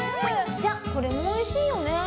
じゃあこれもおいしいよね？